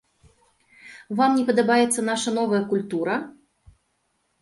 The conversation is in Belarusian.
Вам не падабаецца наша новая культура?